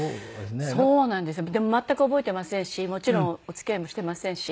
でも全く覚えてませんしもちろんお付き合いもしてませんし。